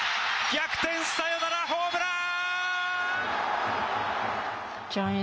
逆転サヨナラホームラン！